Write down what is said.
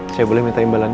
saya boleh minta imbalannya